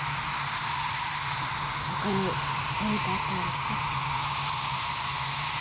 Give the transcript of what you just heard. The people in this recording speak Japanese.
他に何かあったんですか？